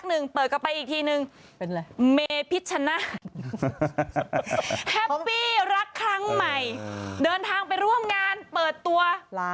เธอไปเปิดตอนไหนฉันยังไม่ไปกับเธอ